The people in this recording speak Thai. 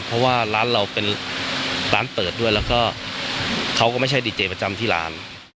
เพราะว่าร้านเราเป็นร้านเปิดด้วยแล้วก็เขาก็ไม่ใช่ดีเจประจำที่ร้าน